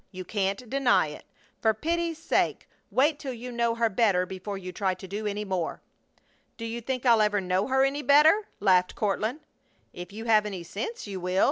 You can't deny it! For pity's sake, wait till you know her better before you try to do any more!" "Do you think I'll ever know her any better?" laughed Courtland. "If you have any sense you will!"